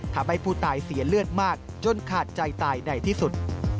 ทำให้ผู้ตายเสียเลือดมากจนขาดใจตายในที่สุด